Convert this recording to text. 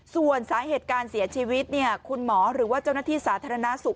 ส่วนสาเหตุการเสียชีวิตคุณหมอหรือว่าเจ้าหน้าที่สาธารณสุข